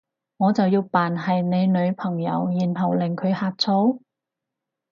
我就要扮係你女朋友，然後令佢呷醋？